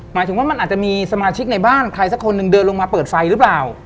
หมายถึงว่ามันอาจจะมีสมาชิกในบ้านใครสักคนหนึ่งเดินลงมาเปิดไฟหรือเปล่า